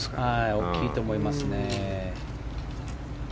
大きいと思いますね。